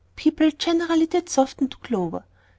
People generally did soften to Clover.